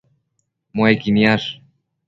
Muequi niash